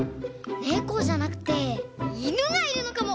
ねこじゃなくていぬがいるのかも！